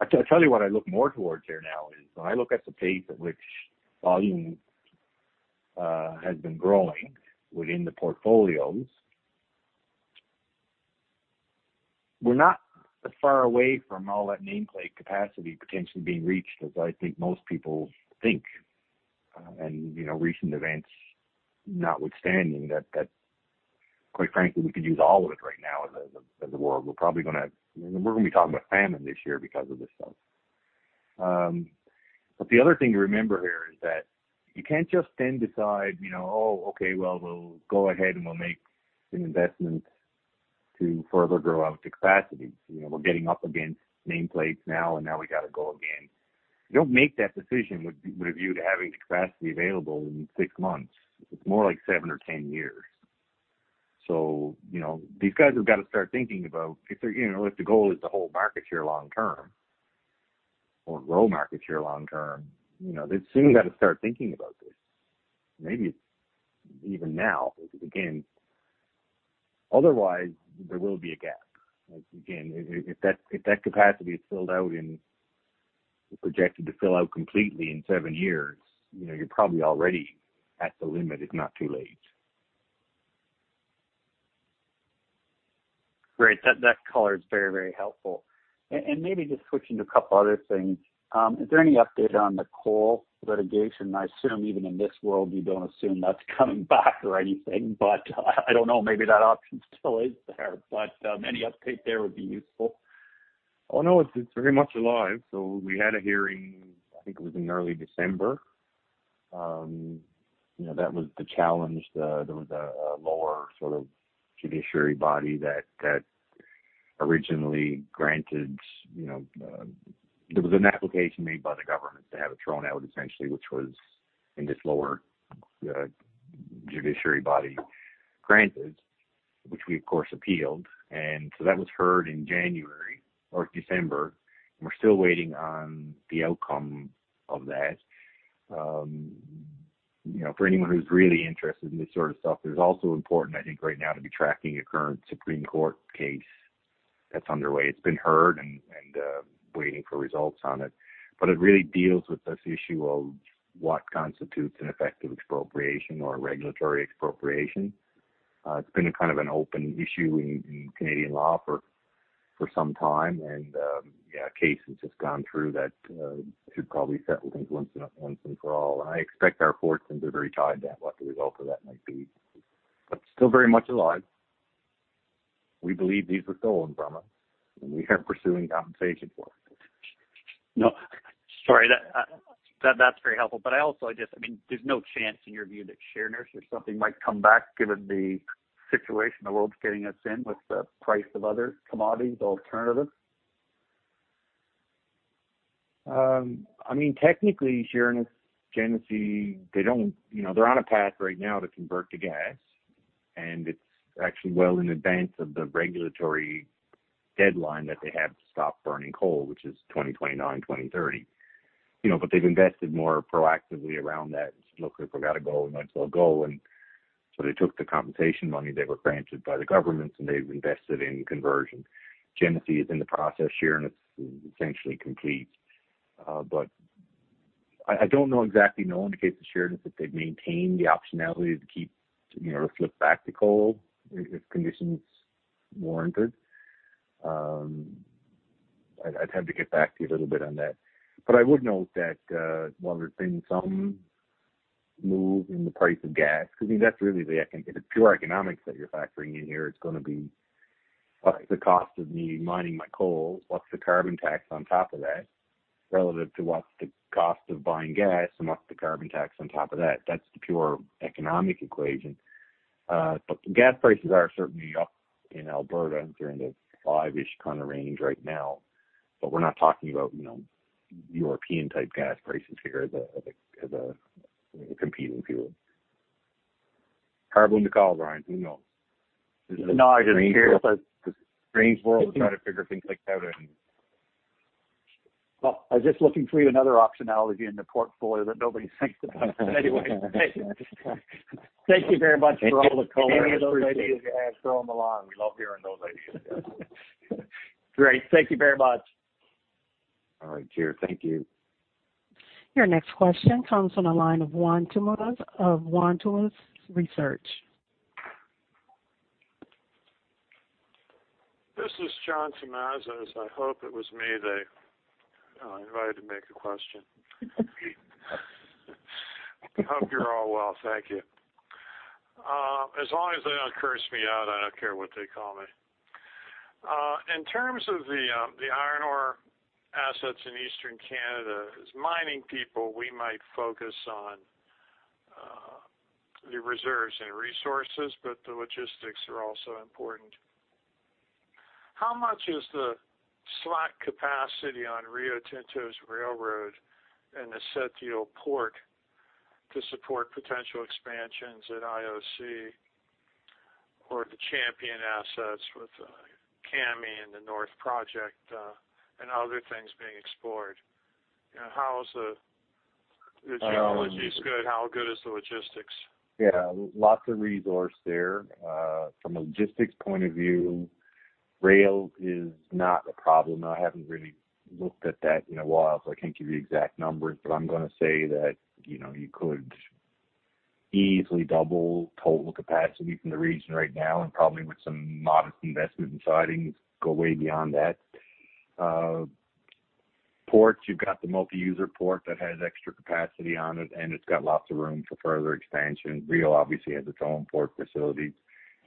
I tell you what I look more towards there now is when I look at the pace at which volume has been growing within the portfolios. We're not as far away from all that nameplate capacity potentially being reached as I think most people think. You know, recent events notwithstanding that quite frankly, we could use all of it right now as a world. We're probably gonna, you know, be talking about famine this year because of this stuff. But the other thing to remember here is that you can't just then decide, you know, oh, okay, well, we'll go ahead, and we'll make an investment to further grow out capacity. You know, we're getting up against nameplates now, and now we got to go again. You don't make that decision with a view to having capacity available in six months. It's more like seven or 10 years. You know, these guys have got to start thinking about if they're, you know, if the goal is to hold market share long term or grow market share long term, you know, they soon got to start thinking about this. Maybe it's even now, because again, otherwise there will be a gap. Again, if that capacity is projected to fill out completely in seven years, you know you're probably already at the limit if not too late. Great. That color is very helpful. Maybe just switching to a couple other things. Is there any update on the coal litigation? I assume even in this world, you don't assume that's coming back or anything, but I don't know, maybe that option still is there. Any update there would be useful. Oh, no, it's very much alive. We had a hearing, I think it was in early December. You know, that was the challenge. There was a lower sort of judiciary body that originally granted, you know. There was an application made by the government to have it thrown out, essentially, which was in this lower judiciary body granted, which we of course appealed. That was heard in January or December. We're still waiting on the outcome of that. You know, for anyone who's really interested in this sort of stuff, it's also important, I think, right now to be tracking a current Supreme Court case that's underway. It's been heard and waiting for results on it. It really deals with this issue of what constitutes an effective expropriation or a regulatory expropriation. It's been a kind of an open issue in Canadian law for some time. A case has just gone through that should probably settle things once and for all. I expect our fortunes are very tied to what the result of that might be. Still very much alive. We believe these were stolen from us, and we are pursuing compensation for them. No. Sorry. That's very helpful. I also just, I mean, there's no chance in your view that Sheerness or something might come back given the situation the world's getting us in with the price of other commodities alternatives? I mean, technically, Sheerness's Genesee, they don't, you know, they're on a path right now to convert to gas, and it's actually well in advance of the regulatory deadline that they have to stop burning coal, which is 2029-2030. You know, but they've invested more proactively around that. Look, if we've got to go, might as well go. They took the compensation money they were granted by the government, and they've invested in conversion. Genesee is in the process. Sheerness is essentially complete. But I don't know exactly. No one indicates to Sheerness that they've maintained the optionality to keep, you know, or flip back to coal if conditions warranted. I'd have to get back to you a little bit on that. I would note that, while there's been some move in the price of gas, because that's really the pure economics that you're factoring in here, it's gonna be what's the cost of me mining my coal, what's the carbon tax on top of that, relative to what's the cost of buying gas and what's the carbon tax on top of that. That's the pure economic equation. The gas prices are certainly up in Alberta. They're in the CAD 5-ish kind of range right now. We're not talking about, you know, European type gas prices here as a competing fuel. Carbon to coal, Brian, who knows? No, I just hear. Try to figure things like that out and. Well, I was just looking for you another optionality in the portfolio that nobody thinks about. Anyway, thank you very much for all the color. Any of those ideas you have, throw them along. We love hearing those ideas. Great. Thank you very much. All right. Cheers. Thank you. Your next question comes from the line of John Tumazos of John Tumazos Very Independent Research, LLC. This is John Tumazos. I hope it was me they invited to make a question. Hope you're all well. Thank you. As long as they don't curse me out, I don't care what they call me. In terms of the iron ore assets in Eastern Canada, as mining people, we might focus on the reserves and resources, but the logistics are also important. How much is the slot capacity on Rio Tinto's railroad and the Sept-Îles Port to support potential expansions at IOC or the Champion assets with Kami and the North Project, and other things being explored? You know, how is the geology is good, how good is the logistics? Yeah. Lots of resource there. From a logistics point of view, rail is not a problem. I haven't really looked at that in a while, so I can't give you exact numbers, but I'm gonna say that, you know, you could easily double total capacity from the region right now and probably with some modest investment in sidings go way beyond that. Ports, you've got the multi-user port that has extra capacity on it, and it's got lots of room for further expansion. Rio obviously has its own port facility.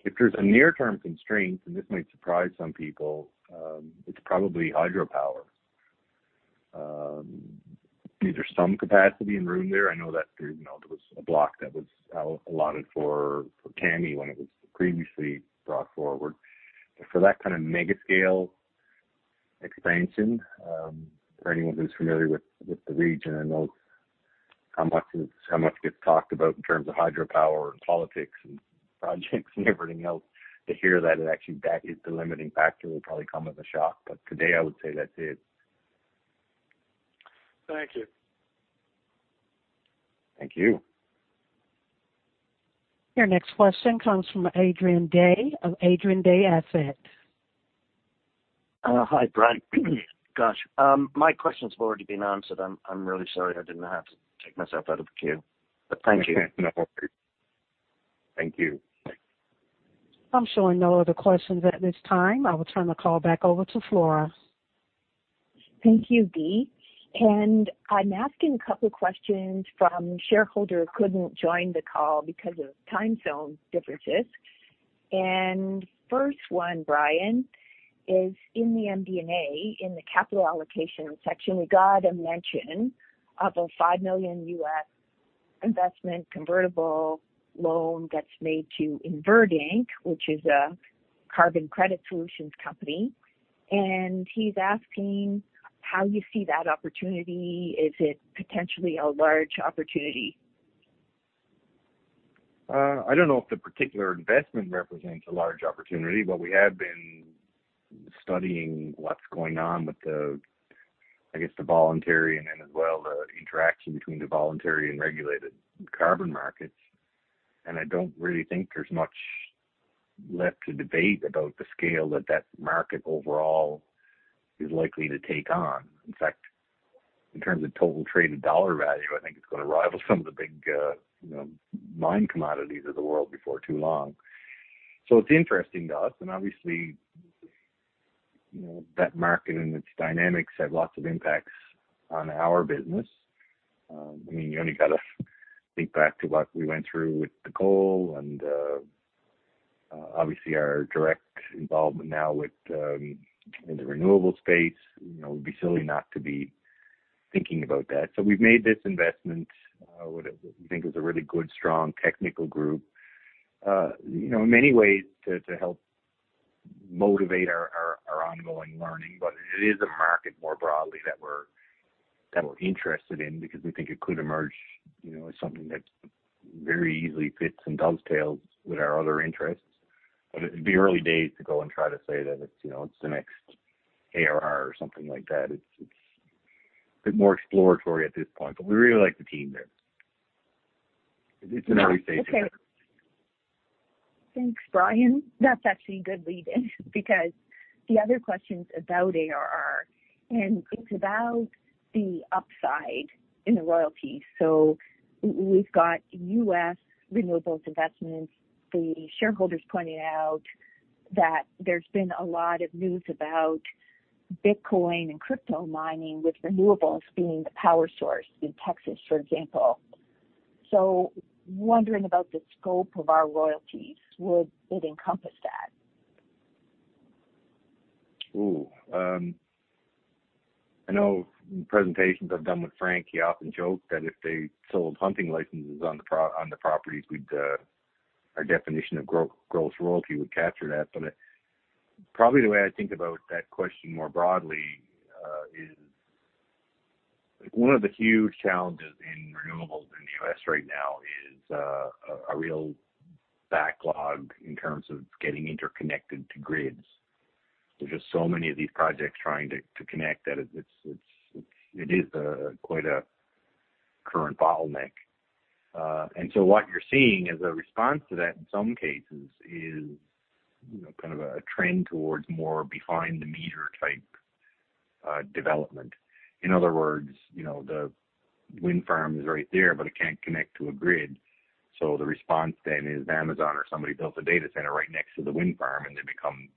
If there's a near term constraint, and this might surprise some people, it's probably hydropower. There's some capacity and room there. I know that there, you know, there was a block that was allotted for Tammy when it was previously brought forward. For that kind of mega scale expansion, for anyone who's familiar with the region, I know how much gets talked about in terms of hydropower and politics and projects and everything else. To hear that it actually is the limiting factor will probably come as a shock. Today, I would say that's it. Thank you. Thank you. Your next question comes from Adrian Day of Adrian Day Asset Management. Hi, Brian. Gosh, my question's already been answered. I'm really sorry. I didn't have to take myself out of the queue, but thank you. No worries. Thank you. I'm showing no other questions at this time. I will turn the call back over to Flora. Thank you, Dee. I'm asking a couple of questions from a shareholder who couldn't join the call because of time zone differences. First one, Brian, is in the MD&A, in the capital allocation section, we got a mention of a $5 million USD convertible loan that's made to Invert, Inc., which is a carbon credit solutions company. He's asking how you see that opportunity. Is it potentially a large opportunity? I don't know if the particular investment represents a large opportunity, but we have been studying what's going on with the, I guess, the voluntary and then as well, the interaction between the voluntary and regulated carbon markets. I don't really think there's much left to debate about the scale that that market overall is likely to take on. In fact, in terms of total traded dollar value, I think it's gonna rival some of the big, you know, main commodities of the world before too long. It's interesting to us and obviously, you know, that market and its dynamics have lots of impacts on our business. I mean, you only got to think back to what we went through with the coal and obviously our direct involvement now within the renewable space. You know, it would be silly not to be thinking about that. We've made this investment. We think is a really good, strong technical group, you know, in many ways to help motivate our ongoing learning. It is a market more broadly that we're interested in because we think it could emerge, you know, as something that very easily fits and dovetails with our other interests. It'd be early days to go and try to say that it's, you know, it's the next ARR or something like that. It's a bit more exploratory at this point, but we really like the team there. It's an early stage bet. Okay. Thanks, Brian. That's actually good lead in because the other question's about ARR, and it's about the upside in the royalties. We've got U.S. renewables investments. The shareholder's pointed out that there's been a lot of news about Bitcoin and crypto mining, with renewables being the power source in Texas, for example. Wondering about the scope of our royalties, would it encompass that? I know in presentations I've done with Frank, he often joked that if they sold hunting licenses on the properties, we'd our definition of gross royalty would capture that. Probably the way I think about that question more broadly is one of the huge challenges in renewables in the U.S. right now is a real backlog in terms of getting interconnected to grids. There's just so many of these projects trying to connect that it is quite a current bottleneck. What you're seeing as a response to that in some cases is, you know, kind of a trend towards more behind the meter type development. In other words, you know, the wind farm is right there, but it can't connect to a grid. The response then is Amazon or somebody builds a data center right next to the wind farm, and they become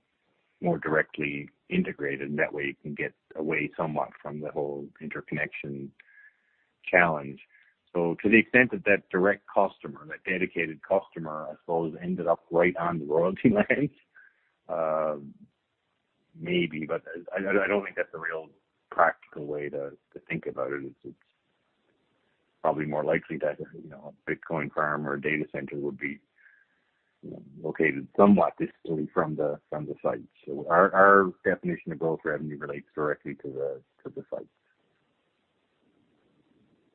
more directly integrated. That way you can get away somewhat from the whole interconnection challenge. To the extent that direct customer, that dedicated customer, I suppose, ended up right on the royalty land, maybe. But I don't think that's a real practical way to think about it. It's probably more likely that, you know, a Bitcoin farm or a data center would be, you know, located somewhat distantly from the site. Our definition of growth revenue relates directly to the site.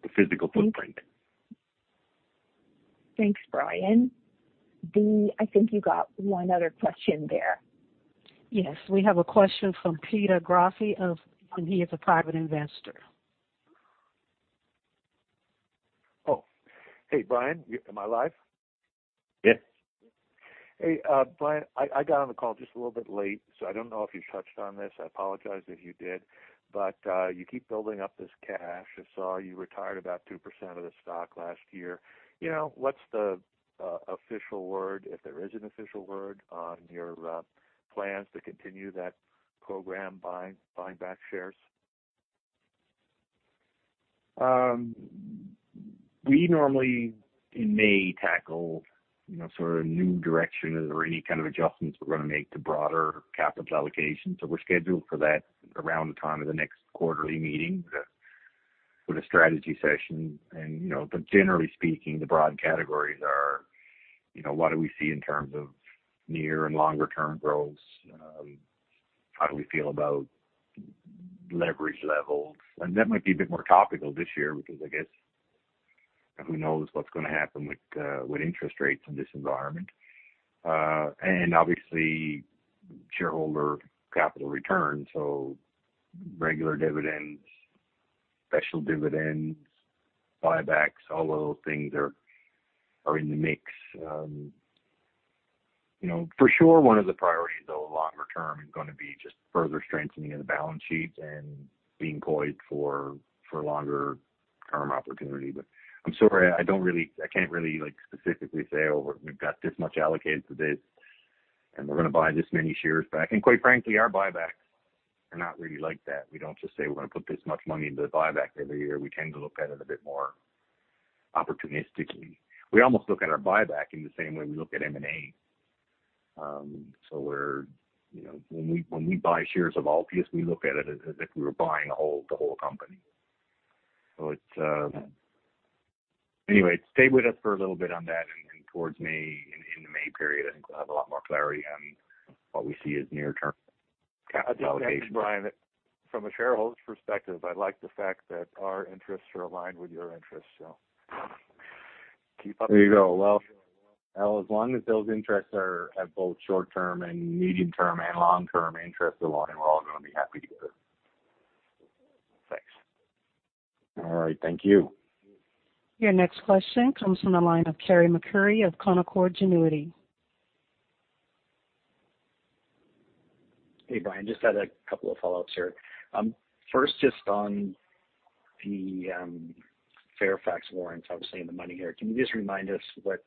The physical footprint. Thanks, Brian. Dee, I think you got one other question there. Yes. We have a question from Peter Krah, and he is a private investor. Oh, hey, Brian, am I live? Yes. Hey, Brian, I got on the call just a little bit late, so I don't know if you touched on this. I apologize if you did, but you keep building up this cash. I saw you retired about 2% of the stock last year. You know, what's the official word, if there is an official word, on your plans to continue that program, buying back shares? We normally in May tackle, you know, sort of new direction or any kind of adjustments we're gonna make to broader capital allocation. We're scheduled for that around the time of the next quarterly meeting with a strategy session. Generally speaking, the broad categories are, you know, what do we see in terms of near and longer-term growth? How do we feel about leverage levels? That might be a bit more topical this year because I guess who knows what's gonna happen with interest rates in this environment. Obviously shareholder capital return, so regular dividends, special dividends, buybacks, all of those things are in the mix. You know, for sure one of the priorities, though, longer term is gonna be just further strengthening of the balance sheet and being poised for longer term opportunity. I'm sorry, I can't really, like, specifically say, oh, we've got this much allocated to this, and we're gonna buy this many shares back. Quite frankly, our buybacks are not really like that. We don't just say we're gonna put this much money into buyback every year. We tend to look at it a bit more opportunistically. We almost look at our buyback in the same way we look at M&A. You know, when we buy shares of Altius, we look at it as if we were buying the whole company. Anyway, stay with us for a little bit on that, and towards May, in the May period, I think we'll have a lot more clarity on what we see as near-term allocations. I'll just mention, Brian, from a shareholder's perspective, I like the fact that our interests are aligned with your interests, so keep up the good work. There you go. Well, as long as those interests are at both short-term and medium-term and long-term interests align, we're all gonna be happy together. Thanks. All right. Thank you. Your next question comes from the line of Carey MacRury of Canaccord Genuity. Hey, Brian. Just had a couple of follow-ups here. First, just on the Fairfax warrants, obviously in the money here. Can you just remind us what,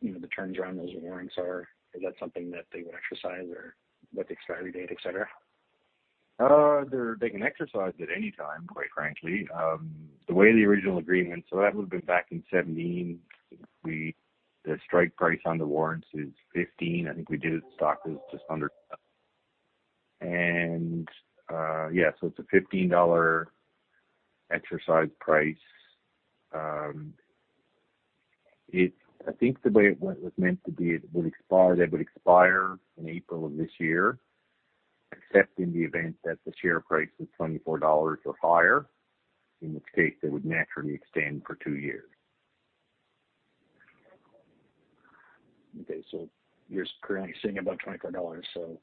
you know, the terms around those warrants are? Is that something that they would exercise or what the expiry date, etc.? They can exercise at any time, quite frankly. The way the original agreement—that would have been back in 2017. The strike price on the warrants is 15. I think we did it, the stock was just under 15. It's a 15 dollar exercise price. I think the way it was meant to be, it would expire in April of this year, except in the event that the share price was 24 dollars or higher, in which case they would naturally extend for two years. Okay. You're currently sitting above 24 dollars, so.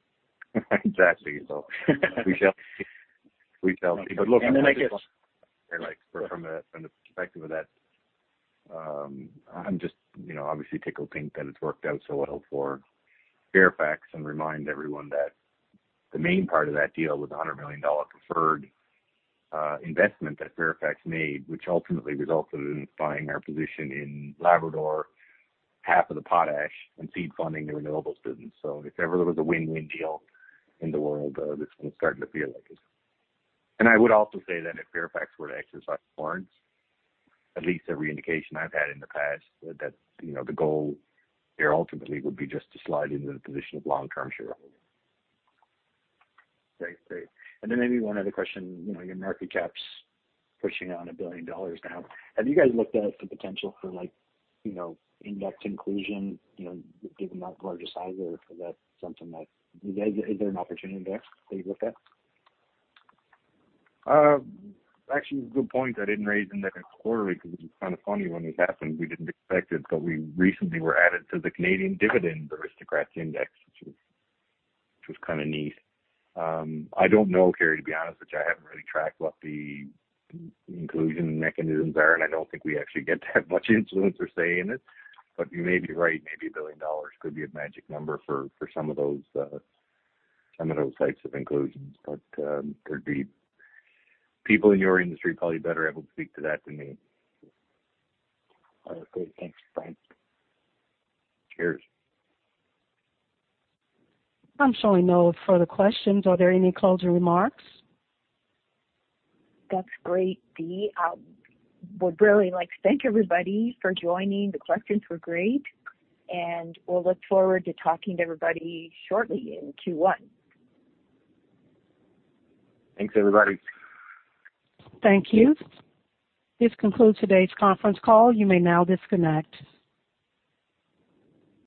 Exactly. We shall see. I guess. From the perspective of that, I'm just, you know, obviously tickled pink that it's worked out so well for Fairfax and remind everyone that the main part of that deal was a 100 million dollar preferred investment that Fairfax made, which ultimately resulted in buying our position in Labrador, half of the potash and seed funding the renewables business. If ever there was a win-win deal in the world, this one's starting to feel like it. I would also say that if Fairfax were to exercise the warrants, at least every indication I've had in the past that, you know, the goal here ultimately would be just to slide into the position of long-term shareholder. Great. Maybe one other question. You know, your market cap's pushing on 1 billion dollars now. Have you guys looked at the potential for like, you know, index inclusion, you know, given that larger size or is that something that. Is there an opportunity there that you'd look at? Actually, good point. I didn't raise in the quarterly because it was kind of funny when it happened. We didn't expect it, but we recently were added to the Canadian Dividend Aristocrats Index, which was kind of neat. I don't know, Carey, to be honest with you. I haven't really tracked what the inclusion mechanisms are, and I don't think we actually get to have much influence or say in it. You may be right. Maybe 1 billion dollars could be a magic number for some of those types of inclusions. There'd be people in your industry probably better able to speak to that than me. Okay. Great. Thanks, Brian. Cheers. I'm showing no further questions. Are there any closing remarks? That's great, Dee. I would really like to thank everybody for joining. The questions were great, and we'll look forward to talking to everybody shortly in Q1. Thanks, everybody. Thank you. This concludes today's conference call. You may now disconnect.